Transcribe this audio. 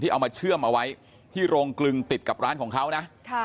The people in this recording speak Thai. เอามาเชื่อมเอาไว้ที่โรงกลึงติดกับร้านของเขานะ